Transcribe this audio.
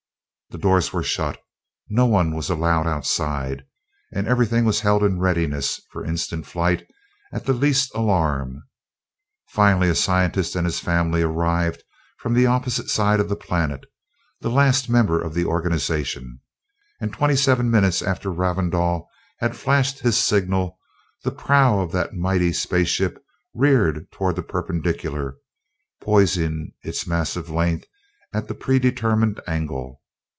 The doors were shut, no one was allowed outside, and everything was held in readiness for instant flight at the least alarm. Finally a scientist and his family arrived from the opposite side of the planet the last members of the organization and, twenty seven minutes after Ravindau had flashed his signal, the prow of that mighty space ship reared toward the perpendicular, poising its massive length at the predetermined angle.